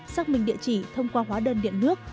xác minh địa chỉ thông qua hóa đơn điện nước